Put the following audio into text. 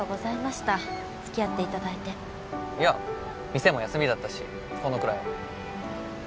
いや店も休みだったしこのくらいは。